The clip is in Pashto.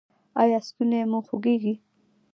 ایا ستونی مو خوږیږي؟